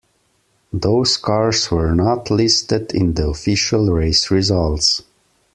Those cars were not listed in the official race results.